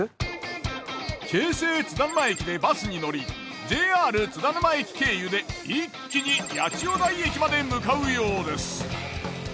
京成津田沼駅でバスに乗りＪＲ津田沼駅経由で一気に八千代台駅まで向かうようです。